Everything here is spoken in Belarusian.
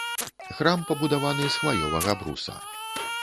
Храм пабудаваны з хваёвага бруса.